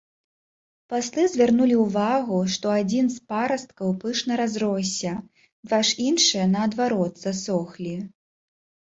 Паслы звярнулі ўвагу, што адзін з парасткаў пышна разросся, два ж іншыя, наадварот, засохлі.